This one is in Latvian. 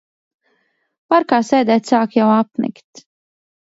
Parkā sēdēt sāk jau apnikt.